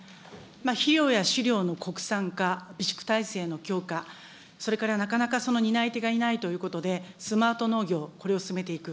肥料や飼料の国産化、備蓄体制の強化、それからなかなかその担い手がいないということで、スマート農業、これを進めていく。